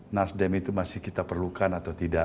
nasdem itu masih kita perlukan atau tidak